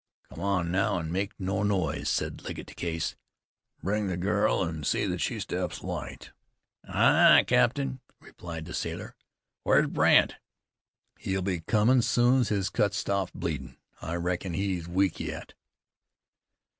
"Come on, now, an' make no noise," said Legget to Case. "Bring the girl, an' see that she steps light." "Ay, ay, cap'n," replied the sailor. "Where's Brandt?" "He'll be comin' soon's his cut stops bleedin'. I reckon he's weak yet."